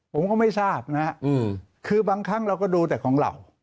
ผมก็ไม่ทราบนะฮะคือบางครั้งเราก็ดูแต่ของเรา